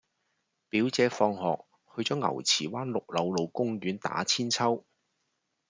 表姐放學去左牛池灣綠柳路公園打韆鞦